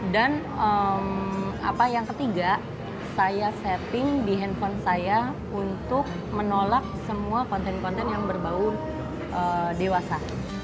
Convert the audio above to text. dan yang ketiga saya setting di handphone saya untuk menolak semua konten konten yang berbau dewasa